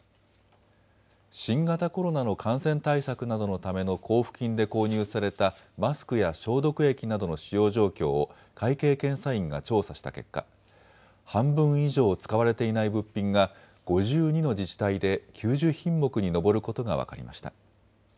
新型コロナの感染対策などのための交付金で購入されたマスクや消毒液などの使用状況を会計検査院が調査した結果、半分以上使われていない物品が５２の自治体で９０品目に上ることが分かりました。